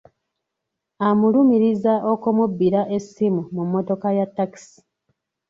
Amulumiriza okumubbira essimu mu mmotoka ya takisi.